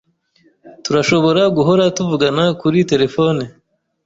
Turashobora guhora tuvugana kuri terefone.